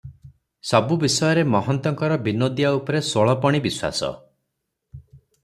ସବୁ ବିଷୟରେ ମହନ୍ତଙ୍କର ବିନୋଦିଆ ଉପରେ ଷୋଳପଣି ବିଶ୍ୱାସ ।